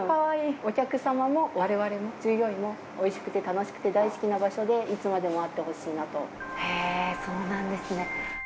お客様も、われわれも従業員もおいしくて楽しくて大好きな場所でいつまでもへぇ、そうなんですね。